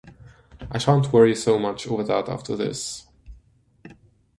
I shan’t worry so much over that after this.